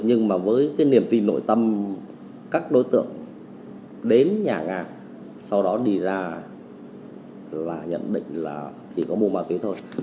nhưng mà với cái niềm tình nội tâm các đối tượng đến nhà nga sau đó đi ra là nhận định là chỉ có mùa ma túy thôi